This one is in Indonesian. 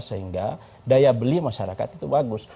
sehingga daya beli masyarakat itu bagus